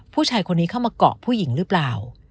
ผู้ชายคนนี้เข้ามาเกาะผู้หญิงหรือเปล่า